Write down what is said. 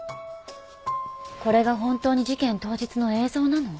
これが本当に事件当日の映像なの？